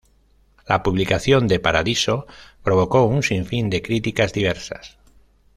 La publicación de "Paradiso" provocó un sinfín de críticas diversas.